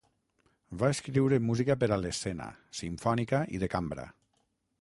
Va escriure música per a l'escena, simfònica i de cambra.